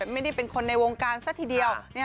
ไม่ได้เป็นคนในวงการซะทีเดียว